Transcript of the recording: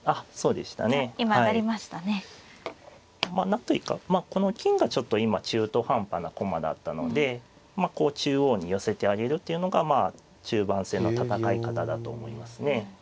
何というかこの金がちょっと今中途半端な駒だったのでこう中央に寄せてあげるっていうのがまあ中盤戦の戦い方だと思いますね。